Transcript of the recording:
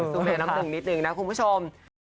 สุเวทน้ำถึงนิดนึงนะคุณผู้ชม